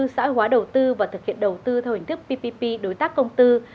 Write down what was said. xã hóa đầu tư và thực hiện đầu tư theo hình thức ppp đối tác công tư